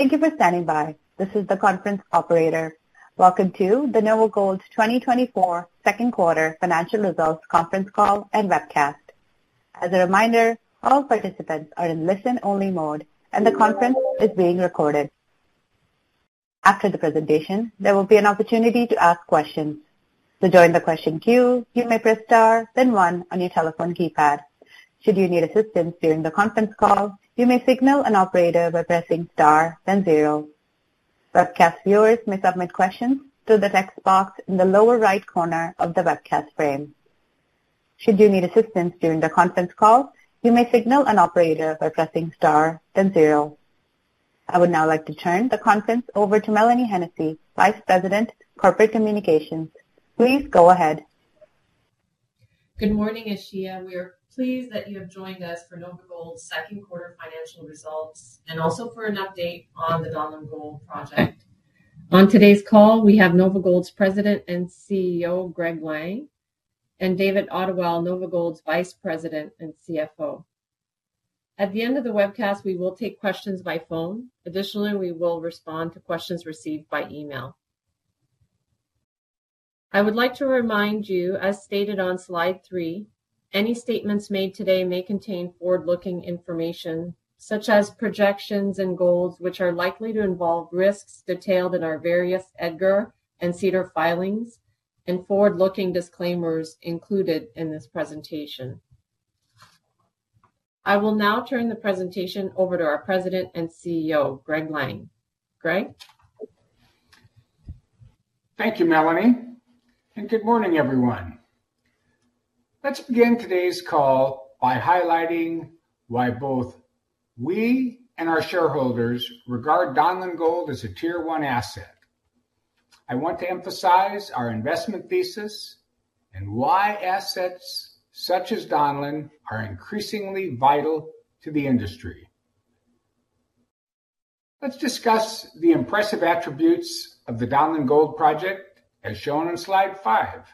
Thank you for standing by. This is the conference operator. Welcome to the NovaGold's 2024 second quarter financial results conference call and webcast. As a reminder, all participants are in listen-only mode, and the conference is being recorded. After the presentation, there will be an opportunity to ask questions. To join the question queue, you may press star, then one on your telephone keypad. Should you need assistance during the conference call, you may signal an operator by pressing star then zero. Webcast viewers may submit questions through the text box in the lower right corner of the webcast frame. Should you need assistance during the conference call, you may signal an operator by pressing star, then zero. I would now like to turn the conference over to Mélanie Hennessey, Vice President, Corporate Communications. Please go ahead. Good morning, Aisha. We are pleased that you have joined us for NovaGold's second quarter financial results, and also for an update on the Donlin Gold project. On today's call, we have NovaGold's President and CEO, Greg Lang, and David Ottewell, NovaGold's Vice President and CFO. At the end of the webcast, we will take questions by phone. Additionally, we will respond to questions received by email. I would like to remind you, as stated on Slide 3, any statements made today may contain forward-looking information, such as projections and goals, which are likely to involve risks detailed in our various EDGAR and SEDAR filings and forward-looking disclaimers included in this presentation. I will now turn the presentation over to our President and CEO, Greg Lang. Greg? Thank you, Mélanie, and good morning, everyone. Let's begin today's call by highlighting why both we and our shareholders regard Donlin Gold as a Tier 1 asset. I want to emphasize our investment thesis and why assets such as Donlin are increasingly vital to the industry. Let's discuss the impressive attributes of the Donlin Gold project, as shown on Slide 5.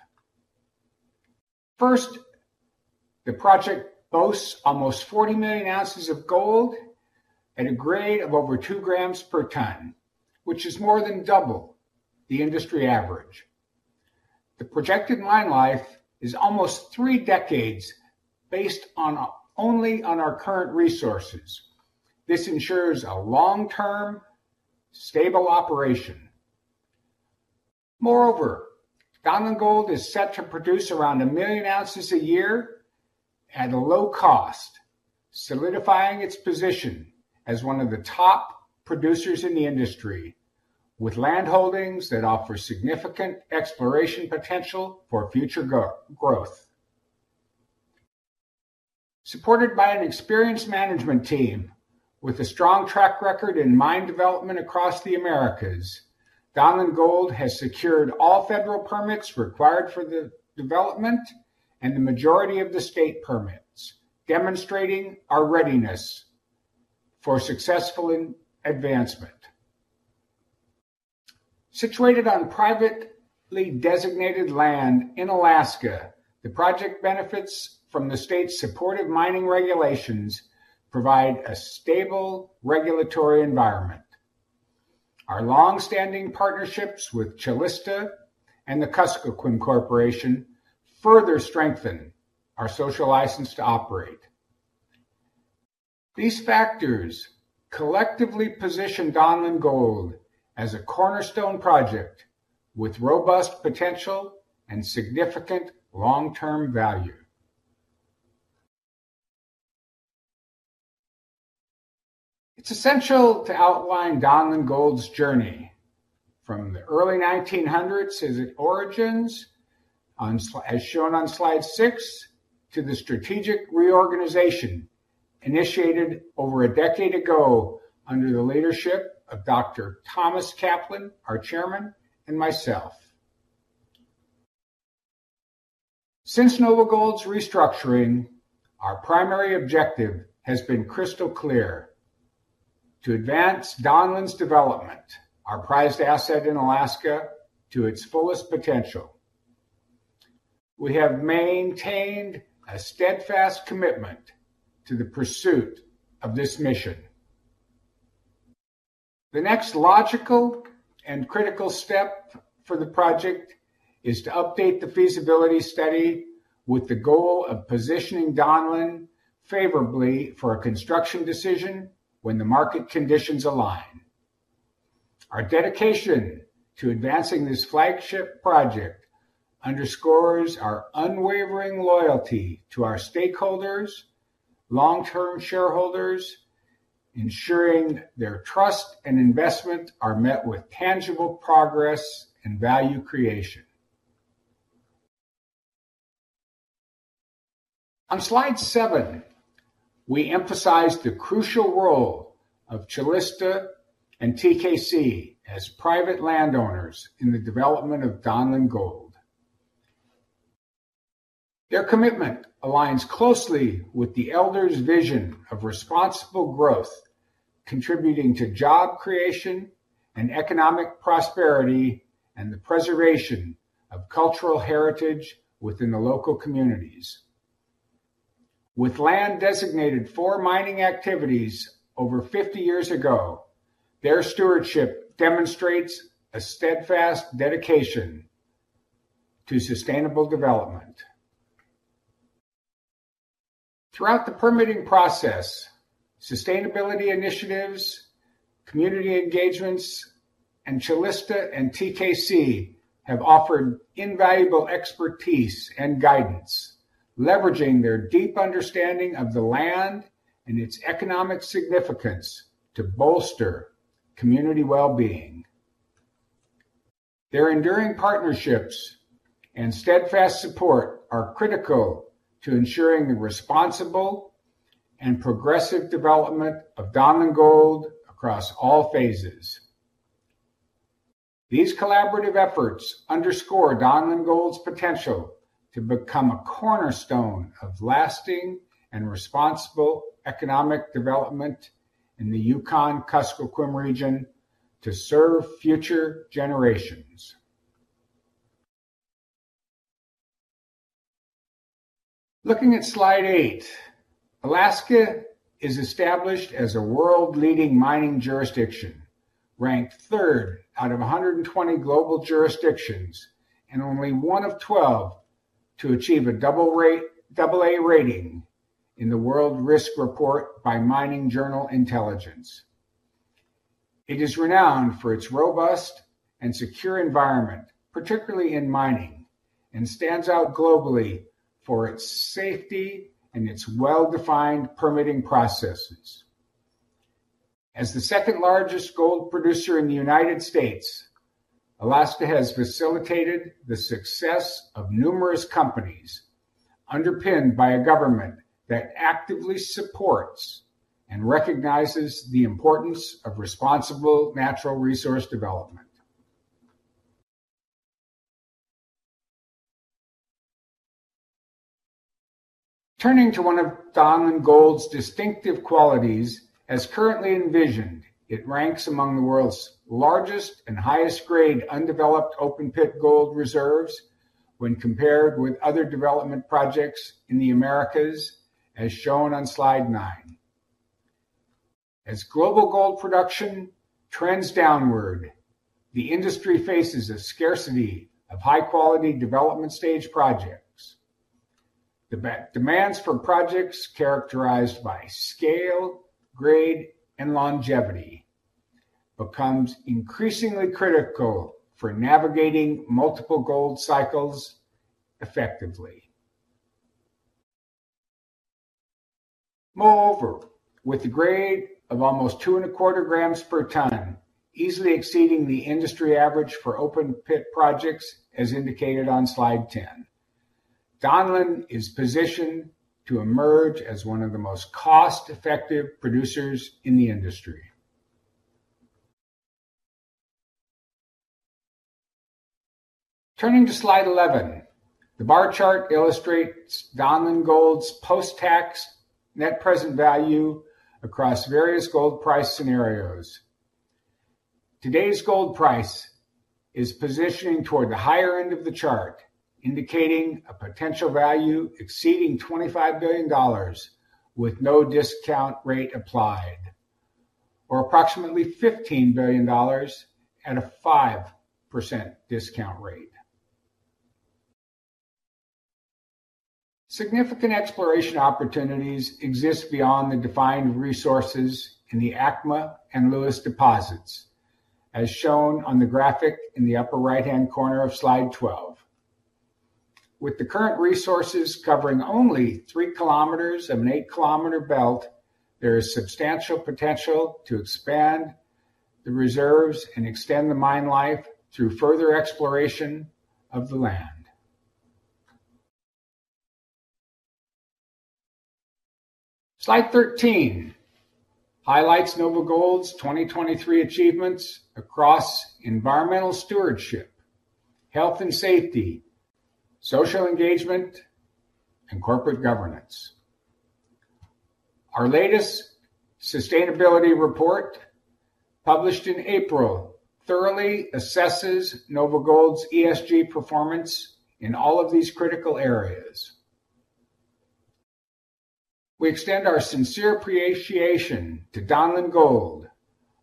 First, the project boasts almost 40 million ounces of gold at a grade of over 2 g per tonne, which is more than double the industry average. The projected mine life is almost three decades, based only on our current resources. This ensures a long-term, stable operation. Moreover, Donlin Gold is set to produce around 1 million ounces a year at a low cost, solidifying its position as one of the top producers in the industry, with land holdings that offer significant exploration potential for future growth. Supported by an experienced management team with a strong track record in mine development across the Americas, Donlin Gold has secured all federal permits required for the development and the majority of the state permits, demonstrating our readiness for successful advancement. Situated on privately designated land in Alaska, the project benefits from the state's supportive mining regulations provide a stable regulatory environment. Our long-standing partnerships with Calista and the Kuskokwim Corporation further strengthen our social license to operate. These factors collectively position Donlin Gold as a cornerstone project with robust potential and significant long-term value. It's essential to outline Donlin Gold's journey from the early 1900s as its origins are shown on Slide 6, to the strategic reorganization initiated over a decade ago under the leadership of Dr. Thomas Kaplan, our chairman, and myself. Since NovaGold's restructuring, our primary objective has been crystal clear: to advance Donlin's development, our prized asset in Alaska, to its fullest potential. We have maintained a steadfast commitment to the pursuit of this mission. The next logical and critical step for the project is to update the feasibility study with the goal of positioning Donlin favorably for a construction decision when the market conditions align. Our dedication to advancing this flagship project underscores our unwavering loyalty to our stakeholders, long-term shareholders, ensuring their trust and investment are met with tangible progress and value creation. On Slide 7, we emphasize the crucial role of Calista and TKC as private landowners in the development of Donlin Gold. Their commitment aligns closely with the elders' vision of responsible growth, contributing to job creation and economic prosperity, and the preservation of cultural heritage within the local communities. With land designated for mining activities over 50 years ago, their stewardship demonstrates a steadfast dedication to sustainable development. Throughout the permitting process, sustainability initiatives, community engagements, and Calista and TKC have offered invaluable expertise and guidance, leveraging their deep understanding of the land and its economic significance to bolster community well-being. Their enduring partnerships and steadfast support are critical to ensuring the responsible and progressive development of Donlin Gold across all phases. These collaborative efforts underscore Donlin Gold's potential to become a cornerstone of lasting and responsible economic development in the Yukon-Kuskokwim region to serve future generations. Looking at Slide 8, Alaska is established as a world-leading mining jurisdiction, ranked third out of 120 global jurisdictions, and only one of 12 to achieve a AA rating in the World Risk Report by Mining Journal Intelligence. It is renowned for its robust and secure environment, particularly in mining, and stands out globally for its safety and its well-defined permitting processes. As the second largest gold producer in the United States, Alaska has facilitated the success of numerous companies, underpinned by a government that actively supports and recognizes the importance of responsible natural resource development. Turning to one of Donlin Gold's distinctive qualities, as currently envisioned, it ranks among the world's largest and highest grade undeveloped open-pit gold reserves when compared with other development projects in the Americas, as shown on Slide 9. As global gold production trends downward, the industry faces a scarcity of high-quality development stage projects. The demands for projects characterized by scale, grade, and longevity becomes increasingly critical for navigating multiple gold cycles effectively. Moreover, with the grade of almost 2.25 g per tonne, easily exceeding the industry average for open-pit projects, as indicated on slide 10, Donlin is positioned to emerge as one of the most cost-effective producers in the industry. Turning to Slide 11, the bar chart illustrates Donlin Gold's post-tax net present value across various gold price scenarios. Today's gold price is positioning toward the higher end of the chart, indicating a potential value exceeding $25 billion with no discount rate applied, or approximately $15 billion at a 5% discount rate. Significant exploration opportunities exist beyond the defined resources in the ACMA and Lewis deposits, as shown on the graphic in the upper right-hand corner of Slide 12. With the current resources covering only 3 km of an 8 km belt, there is substantial potential to expand the reserves and extend the mine life through further exploration of the land. Slide 13 highlights NovaGold's 2023 achievements across environmental stewardship, health and safety, social engagement, and corporate governance. Our latest sustainability report, published in April, thoroughly assesses NovaGold's ESG performance in all of these critical areas. We extend our sincere appreciation to Donlin Gold,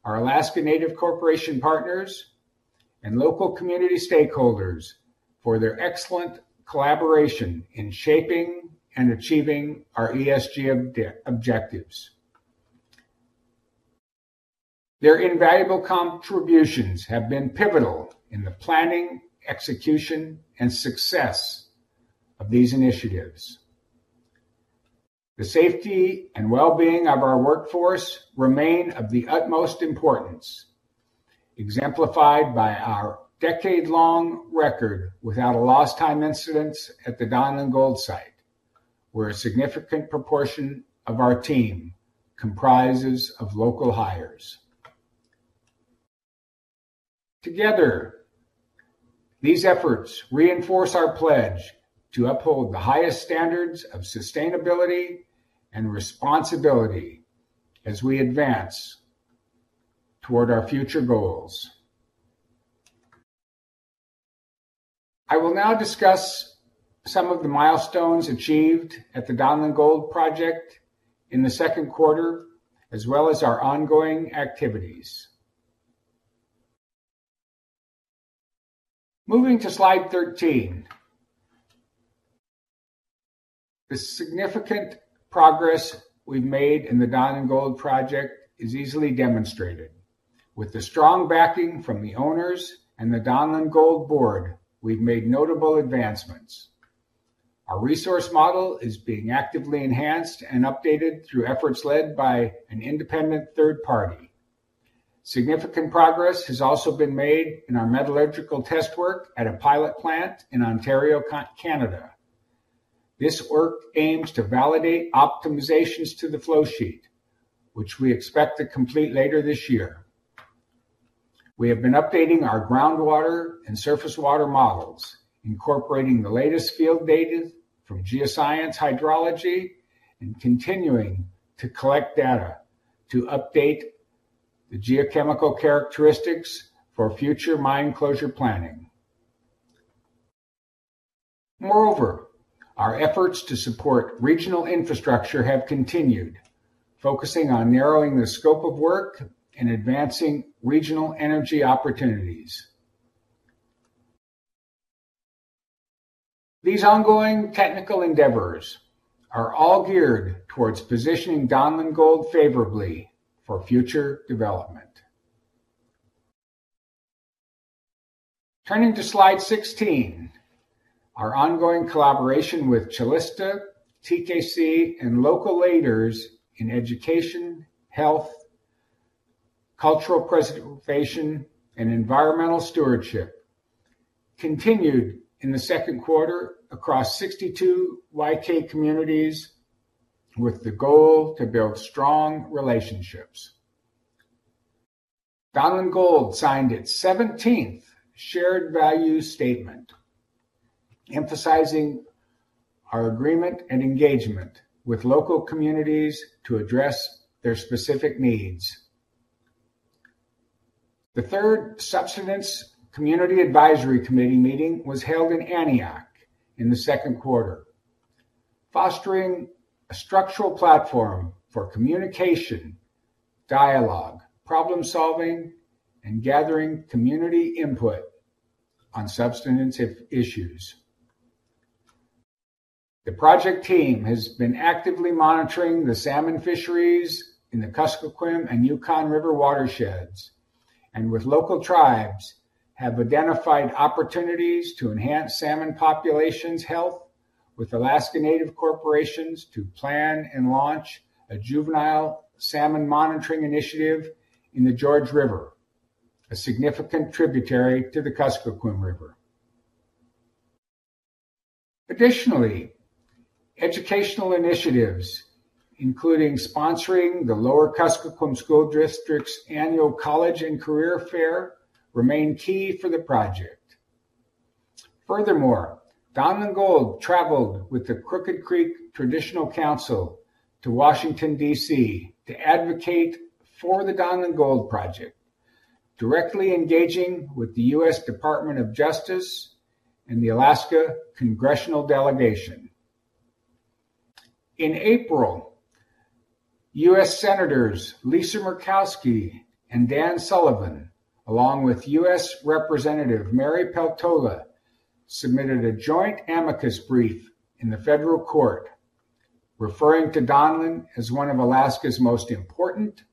our Alaska Native Corporation partners, and local community stakeholders for their excellent collaboration in shaping and achieving our ESG objectives. Their invaluable contributions have been pivotal in the planning, execution, and success of these initiatives. The safety and well-being of our workforce remain of the utmost importance, exemplified by our decade-long record without a lost time incident at the Donlin Gold site, where a significant proportion of our team comprises of local hires. Together, these efforts reinforce our pledge to uphold the highest standards of sustainability and responsibility as we advance toward our future goals. I will now discuss some of the milestones achieved at the Donlin Gold project in the second quarter, as well as our ongoing activities. Moving to Slide 13, the significant progress we've made in the Donlin Gold project is easily demonstrated. With the strong backing from the owners and the Donlin Gold board, we've made notable advancements. Our resource model is being actively enhanced and updated through efforts led by an independent third party. Significant progress has also been made in our metallurgical test work at a pilot plant in Ontario, Canada. This work aims to validate optimizations to the flow sheet, which we expect to complete later this year. We have been updating our groundwater and surface water models, incorporating the latest field data from geoscience, hydrology, and continuing to collect data to update the geochemical characteristics for future mine closure planning. Moreover, our efforts to support regional infrastructure have continued, focusing on narrowing the scope of work and advancing regional energy opportunities. These ongoing technical endeavors are all geared towards positioning Donlin Gold favorably for future development. Turning to Slide 16, our ongoing collaboration with Calista, TKC, and local leaders in education, health, cultural preservation, and environmental stewardship continued in the second quarter across 62 YK communities with the goal to build strong relationships. Donlin Gold signed its 17th Shared Value Statement, emphasizing our agreement and engagement with local communities to address their specific needs. The third Subsistence Community Advisory Committee meeting was held in Aniak in the second quarter, fostering a structural platform for communication, dialogue, problem-solving, and gathering community input on substantive issues. The project team has been actively monitoring the salmon fisheries in the Kuskokwim and Yukon River watersheds, and with local tribes, have identified opportunities to enhance salmon populations' health with Alaska Native corporations to plan and launch a juvenile salmon monitoring initiative in the George River, a significant tributary to the Kuskokwim River. Additionally, educational initiatives, including sponsoring the Lower Kuskokwim School District's annual college and career fair, remain key for the project. Furthermore, Donlin Gold traveled with the Crooked Creek Traditional Council to Washington, D.C. to advocate for the Donlin Gold project, directly engaging with the U.S. Department of Justice and the Alaska Congressional Delegation. In April, U.S. Senators Lisa Murkowski and Dan Sullivan, along with U.S. Representative Mary Peltola, submitted a joint amicus brief in the federal court, referring to Donlin as one of Alaska's most important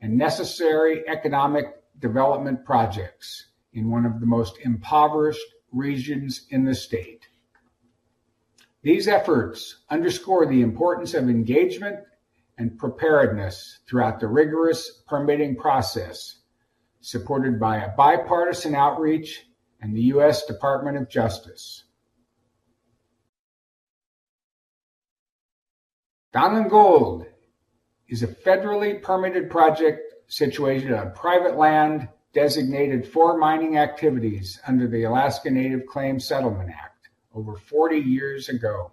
and necessary economic development projects in one of the most impoverished regions in the state. These efforts underscore the importance of engagement and preparedness throughout the rigorous permitting process, supported by a bipartisan outreach and the U.S. Department of Justice. Donlin Gold is a federally permitted project situated on private land, designated for mining activities under the Alaska Native Claims Settlement Act over forty years ago.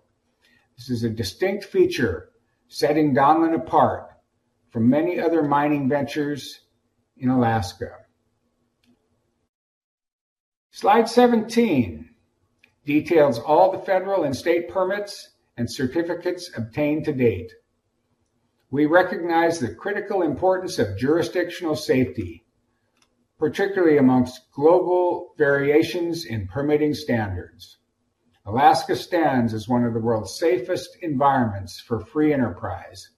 This is a distinct feature, setting Donlin apart from many other mining ventures in Alaska. Slide 17 details all the federal and state permits and certificates obtained to date. We recognize the critical importance of jurisdictional safety, particularly amongst global variations in permitting standards. Alaska stands as one of the world's safest environments for free enterprise,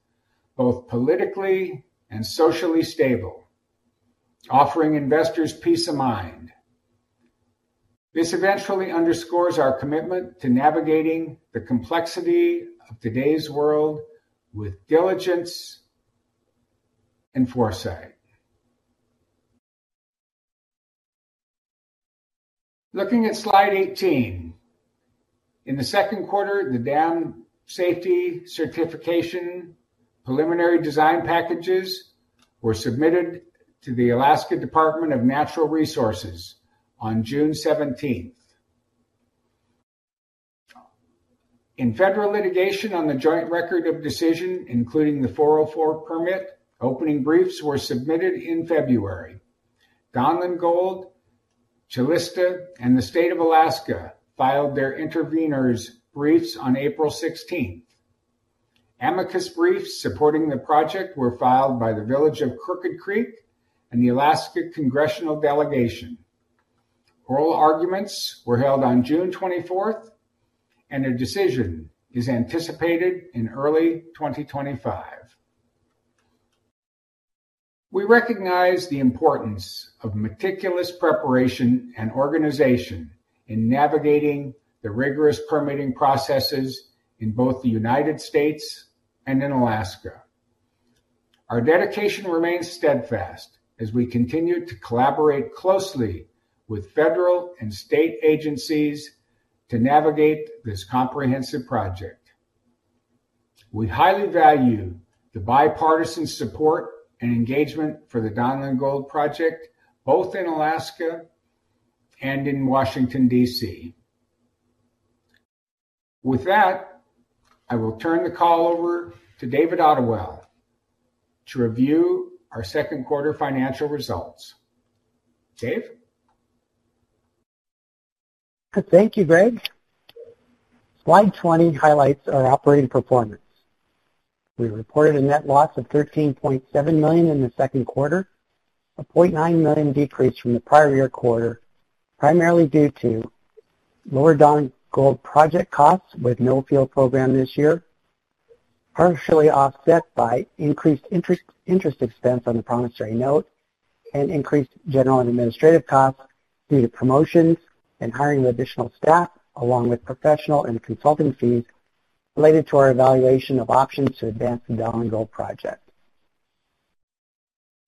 both politically and socially stable, offering investors peace of mind. This eventually underscores our commitment to navigating the complexity of today's world with diligence and foresight. Looking at slide 18, in the second quarter, the dam safety certification preliminary design packages were submitted to the Alaska Department of Natural Resources on June 17. In federal litigation on the joint record of decision, including the 404 permit, opening briefs were submitted in February. Donlin Gold, Calista, and the State of Alaska filed their intervenor briefs on April 16th. Amicus briefs supporting the project were filed by the Village of Crooked Creek and the Alaska Congressional Delegation. Oral arguments were held on June 24th, and a decision is anticipated in early 2025. We recognize the importance of meticulous preparation and organization in navigating the rigorous permitting processes in both the United States and in Alaska. Our dedication remains steadfast as we continue to collaborate closely with federal and state agencies to navigate this comprehensive project. We highly value the bipartisan support and engagement for the Donlin Gold project, both in Alaska and in Washington, D.C. With that, I will turn the call over to David Ottewell, to review our second quarter financial results. Dave? Thank you, Greg. Slide 20 highlights our operating performance. We reported a net loss of $13.7 million in the second quarter, a $0.9 million decrease from the prior year quarter, primarily due to lower Donlin Gold project costs, with no field program this year, partially offset by increased interest expense on the promissory note, and increased general and administrative costs due to promotions and hiring of additional staff, along with professional and consulting fees related to our evaluation of options to advance the Donlin Gold project.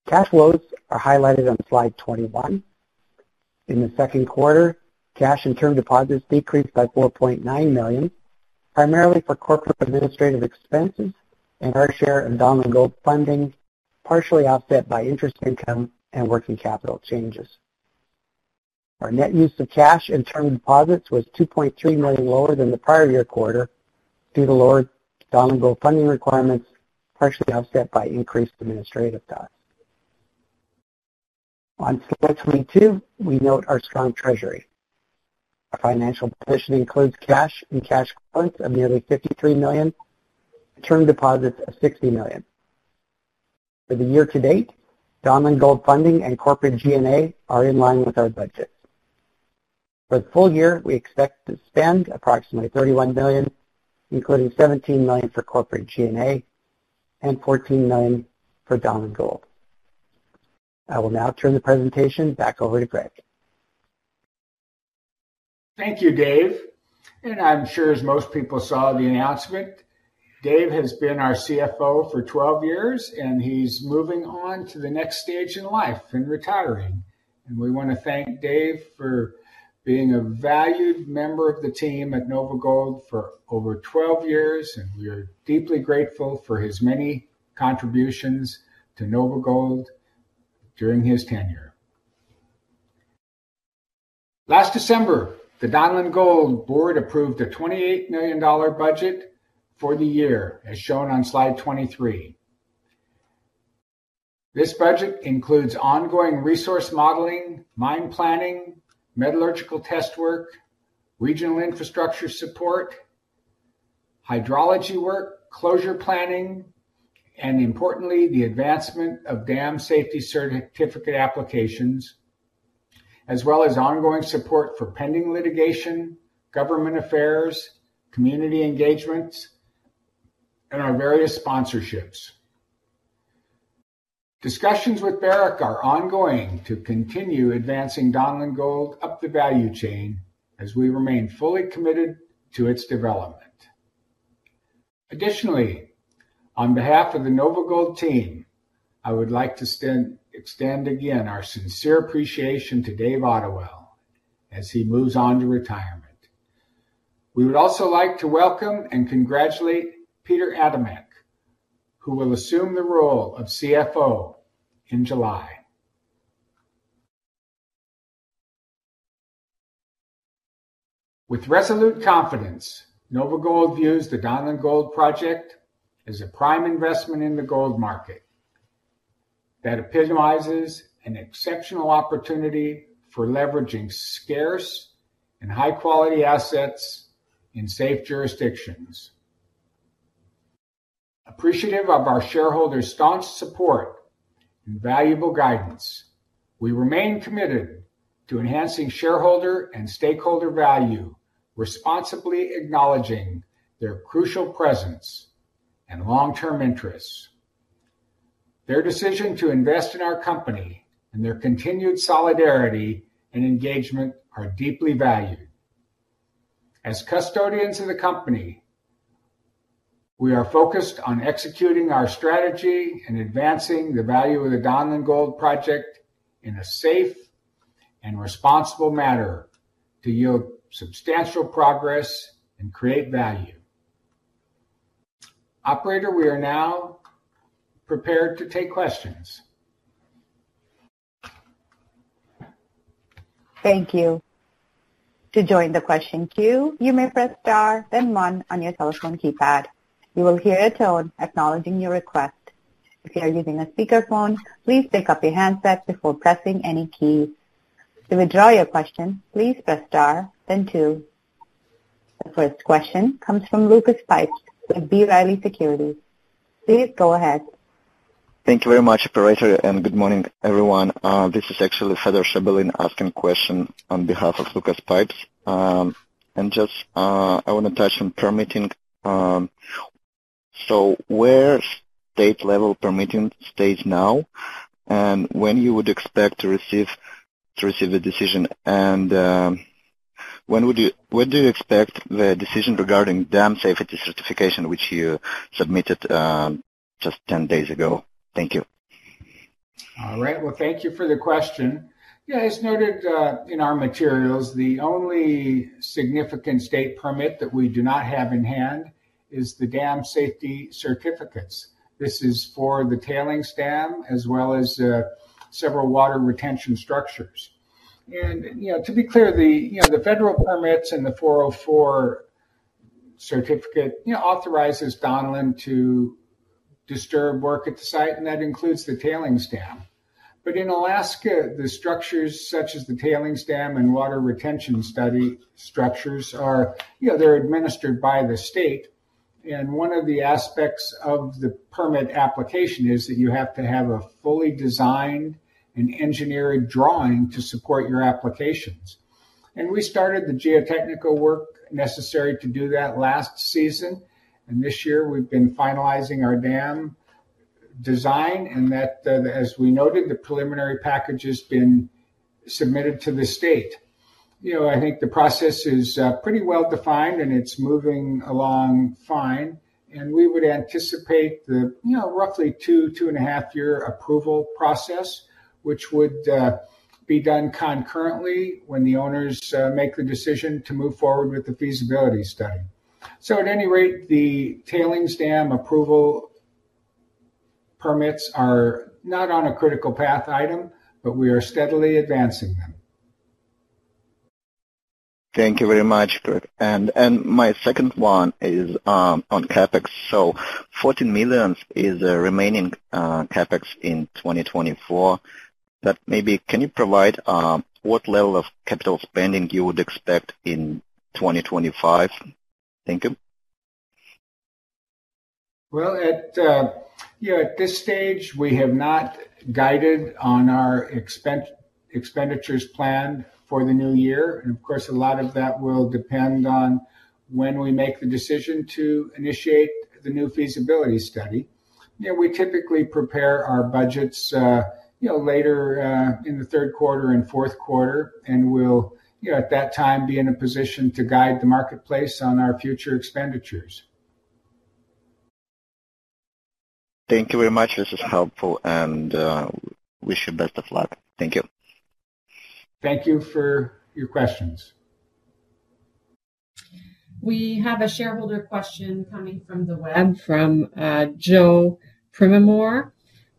Cash flows are highlighted on Slide 21. In the second quarter, cash and term deposits decreased by $4.9 million, primarily for corporate administrative expenses and our share of Donlin Gold funding, partially offset by interest income and working capital changes. Our net use of cash and term deposits was $2.3 million lower than the prior year quarter due to lower Donlin Gold funding requirements, partially offset by increased administrative costs. On Slide 22, we note our strong treasury. Our financial position includes cash and cash equivalents of nearly $53 million, term deposits of $60 million. For the year to date, Donlin Gold funding and corporate G&A are in line with our budget. For the full year, we expect to spend approximately $31 million, including $17 million for corporate G&A and $14 million for Donlin Gold. I will now turn the presentation back over to Greg. Thank you, Dave. I'm sure as most people saw the announcement, Dave has been our CFO for 12 years, and he's moving on to the next stage in life and retiring. We want to thank Dave for being a valued member of the team at NovaGold for over 12 years, and we are deeply grateful for his many contributions to NovaGold during his tenure. Last December, the Donlin Gold Board approved a $28 million budget for the year, as shown on Slide 23. This budget includes ongoing resource modeling, mine planning, metallurgical test work, regional infrastructure support, hydrology work, closure planning, and importantly, the advancement of dam safety certificate applications, as well as ongoing support for pending litigation, government affairs, community engagements, and our various sponsorships. Discussions with Barrick are ongoing to continue advancing Donlin Gold up the value chain as we remain fully committed to its development. Additionally, on behalf of the NovaGold team, I would like to extend again our sincere appreciation to David Ottewell as he moves on to retirement. We would also like to welcome and congratulate Peter Adamek, who will assume the role of CFO in July. With resolute confidence, NovaGold views the Donlin Gold project as a prime investment in the gold market that epitomizes an exceptional opportunity for leveraging scarce and high-quality assets in safe jurisdictions. Appreciative of our shareholders' staunch support and valuable guidance, we remain committed to enhancing shareholder and stakeholder value, responsibly acknowledging their crucial presence and long-term interests. Their decision to invest in our company and their continued solidarity and engagement are deeply valued. As custodians of the company, we are focused on executing our strategy and advancing the value of the Donlin Gold project in a safe and responsible manner to yield substantial progress and create value. Operator, we are now prepared to take questions. Thank you. To join the question queue, you may press star, then one on your telephone keypad. You will hear a tone acknowledging your request. If you are using a speakerphone, please pick up your handset before pressing any key. To withdraw your question, please press star, then two. The first question comes from Lucas Pipes at B. Riley Securities. Please go ahead. Thank you very much, operator, and good morning, everyone. This is actually Fedor Shabalin asking question on behalf of Lucas Pipes. And just, I want to touch on permitting. So where state level permitting stays now, and when you would expect to receive a decision? And when do you expect the decision regarding dam safety certification, which you submitted just 10 days ago? Thank you. All right. Well, thank you for the question. Yeah, as noted in our materials, the only significant state permit that we do not have in hand is the dam safety certificates. This is for the tailings dam, as well as several water retention structures. And, you know, to be clear, the federal permits and the 404 certificate authorizes Donlin to disturb work at the site, and that includes the tailings dam. But in Alaska, the structures such as the tailings dam and water retention structures are, you know, they're administered by the state. And one of the aspects of the permit application is that you have to have a fully designed and engineered drawing to support your applications. We started the geotechnical work necessary to do that last season, and this year we've been finalizing our dam design, and that, as we noted, the preliminary package has been submitted to the state. You know, I think the process is pretty well-defined, and it's moving along fine, and we would anticipate the, you know, roughly two, 2.5-year approval process, which would be done concurrently when the owners make the decision to move forward with the feasibility study. So at any rate, the tailings dam approval permits are not on a critical path item, but we are steadily advancing them. Thank you very much, Greg. And my second one is on CapEx. So $14 million is the remaining CapEx in 2024. But maybe can you provide what level of capital spending you would expect in 2025? Thank you. Well, you know, at this stage, we have not guided on our expenditures planned for the new year. And of course, a lot of that will depend on when we make the decision to initiate the new feasibility study. You know, we typically prepare our budgets, you know, later in the third quarter and fourth quarter, and we'll, you know, at that time, be in a position to guide the marketplace on our future expenditures. Thank you very much. This is helpful, and wish you best of luck. Thank you. Thank you for your questions. We have a shareholder question coming from the web, from Joe Joe Pridmore.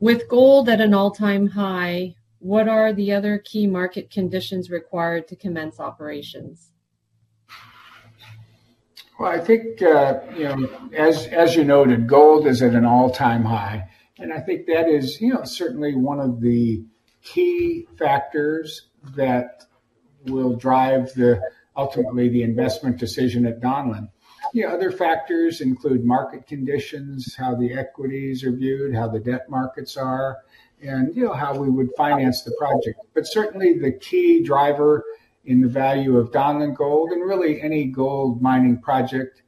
With gold at an all-time high, what are the other key market conditions required to commence operations? Well, I think, you know, as, as you noted, gold is at an all-time high, and I think that is, you know, certainly one of the key factors that will drive, ultimately, the investment decision at Donlin. You know, other factors include market conditions, how the equities are viewed, how the debt markets are, and you know, how we would finance the project. But certainly the key driver in the value of Donlin Gold, and really any gold mining project,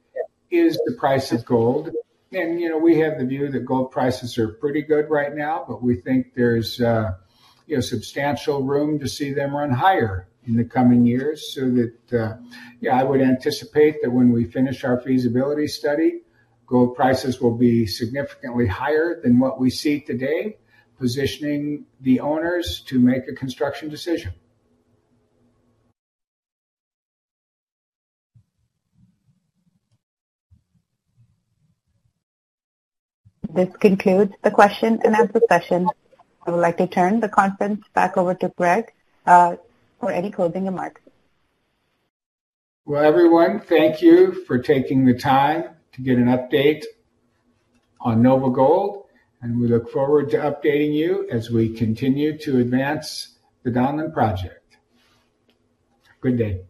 is the price of gold. And, you know, we have the view that gold prices are pretty good right now, but we think there's, you know, substantial room to see them run higher in the coming years. So that, yeah, I would anticipate that when we finish our feasibility study, gold prices will be significantly higher than what we see today, positioning the owners to make a construction decision. This concludes the question and answer session. I would like to turn the conference back over to Greg for any closing remarks. Well, everyone, thank you for taking the time to get an update on NovaGold, and we look forward to updating you as we continue to advance the Donlin project. Good day.